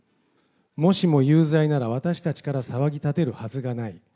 もしも有罪なら、私たちから騒ぎ立てるはずがない。